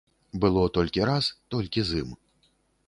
Было толькі раз, толькі з ім.